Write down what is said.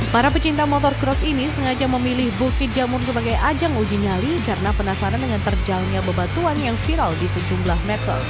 para pecinta motor cross ini sengaja memilih bukit jamur sebagai ajang uji nyali karena penasaran dengan terjalnya bebatuan yang viral di sejumlah medsos